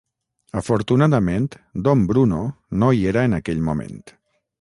Afortunadament, Dom Bruno no hi era en aquell moment.